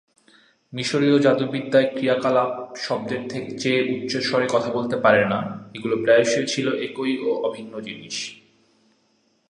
মিশরীয় যাদুবিদ্যায় ক্রিয়াকলাপ শব্দের চেয়ে উচ্চস্বরে কথা বলতে পারে না--এগুলি প্রায়শই ছিলো একই এবং অভিন্ন জিনিস।